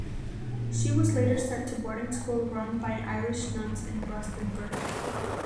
She was later sent to boarding school run by Irish nuns in Rustenburg.